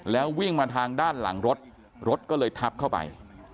แล้ววิ่งมาทางด้านหลังรถรถก็เลยทับเข้าไป